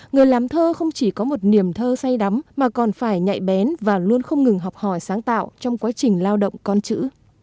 người làm thơ không chỉ có một niềm thơ say đắm mà còn phải nhạy bén và luôn không ngừng học hỏi sáng tạo trong quá trình lao động con chữ